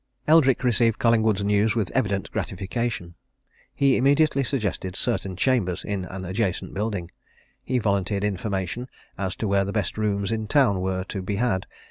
Eldrick received Collingwood's news with evident gratification. He immediately suggested certain chambers in an adjacent building; he volunteered information as to where the best rooms in the town were to be had.